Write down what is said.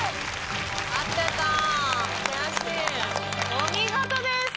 お見事です。